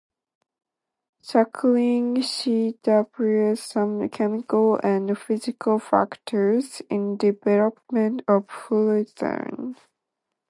Suckling, C. W. Some chemical and physical factors in the development of fluothane.